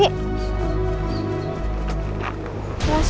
ibu kemana sih